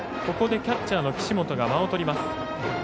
ここでキャッチャーの岸本が間をとります。